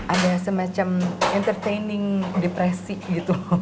ada semacam entertaining depresi gitu